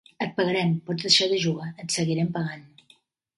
Et pagarem, pots deixar de jugar, et seguirem pagant!